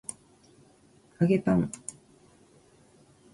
揚げパン